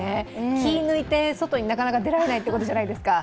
気を抜いて、外になかなか出られないということじゃないですか。